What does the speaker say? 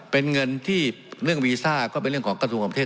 เป็นเงินที่เรื่องวีซ่าก็เป็นเรื่องของกระทรวงความเทศ